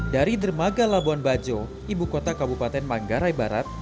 dari dermaga labuan bajo ibu kota kabupaten manggarai barat